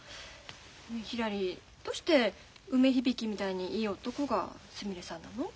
ひらりどうして梅響みたいにいい男がすみれさんなの？